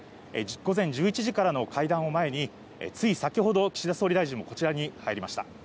午前１１時からの会談を前に、つい先程、岸田総理大臣もこちらに入りました。